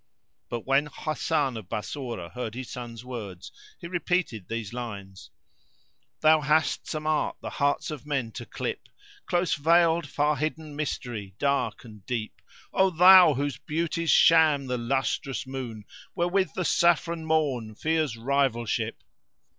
But when Hasan of Bassorah heard his son's words he repeated these lines:— "Thou hast some art the hearts of men to clip; * Close veiled, far hidden mystery dark and deep: O thou whose beauties shame the lustrous moon, * Wherewith the saffron Morn fears rivalship!